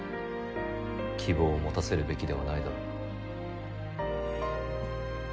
希望を持たせるべきではないだろう。